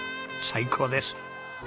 最高です！